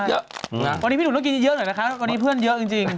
วันนี้พี่หนุ่มต้องกินเยอะหน่อยนะคะวันนี้เพื่อนเยอะจริง